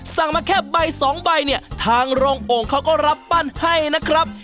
มาแค่ใบสองใบเนี่ยทางโรงโอ่งเขาก็รับปั้นให้นะครับ